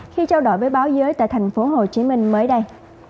khi trao đổi với báo giới tại tp hcm mới đây